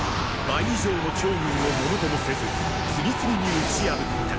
倍以上の趙軍をものともせず次々に打ち破った。